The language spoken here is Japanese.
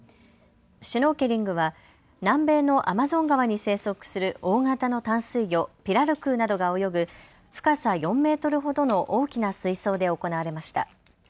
シュノーケリングは南米のアマゾン川に生息する大型の淡水魚、ピラルクーなどが泳ぐ深さ４メートルほどの大きな水槽で行われました。